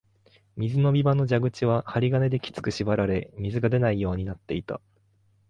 水飲み場の蛇口は針金できつく縛られ、水が出ないようになっていた